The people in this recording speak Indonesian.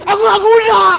aku gak guna